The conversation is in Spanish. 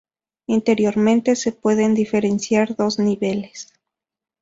Interiormente se pueden diferenciar dos niveles.